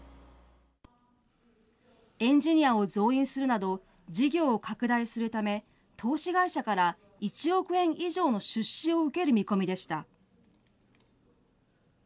エンジニアを増員するなど、事業を拡大するため、投資会社から１億円以上の出資を受ける見込みでした。